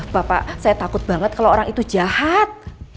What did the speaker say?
bapak saya takut banget kalau orang itu jahat